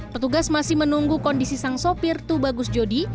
petugas masih menunggu kondisi sang sopir tu bagus jodi